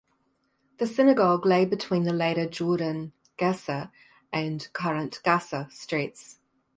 The synagogue lay between the later Jordangasse and Kurrentgasse streets.